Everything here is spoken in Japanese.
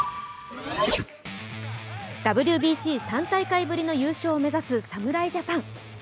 ＷＢＣ３大会ぶりの優勝を目指す侍ジャパン。